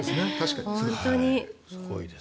すごいです。